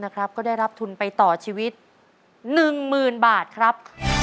ก็ได้รับทุนไปต่อชีวิต๑๐๐๐บาทครับ